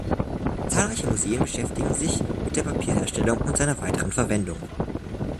Zahlreiche Museen beschäftigen sich mit der Papierherstellung und seiner weiteren Verwendung.